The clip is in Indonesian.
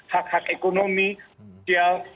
hak hak ekonomi sosial